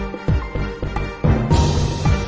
แต่ก่อนมันก็เป็นปั๊มน้ำมัน